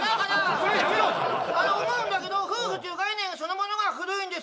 それやめろ！お前は思うんだけど夫婦っていう概念そのものが古いんです